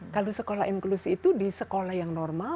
kalau sekolah inklusi itu di sekolah yang normal